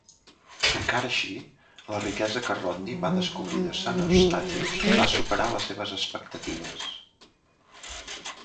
Encara així, la riquesa que Rodney va descobrir en Saint Eustatius va superar les seves expectatives.